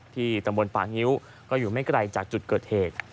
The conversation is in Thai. ตำบลป่างิ้วก็อยู่ไม่ไกลจากจุดเกิดเหตุ